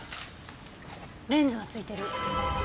レンズが付いてる。